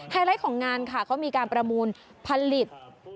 ไลท์ของงานค่ะเขามีการประมูลผลิต